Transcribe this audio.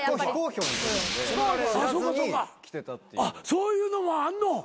そういうのもあんの？